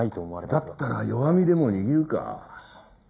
だったら弱みでも握るか。